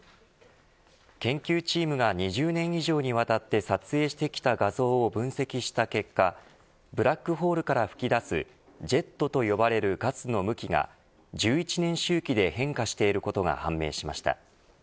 研究チームが２０年以上にわたって撮影してきた画像を分析した結果ブラックホールから噴き出すジェットと呼ばれるガスの向きが１１年周期で変化していることが判明しました。